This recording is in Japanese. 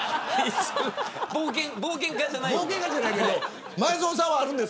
冒険家じゃないんで。